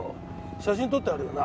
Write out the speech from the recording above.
写真撮ってあるよな？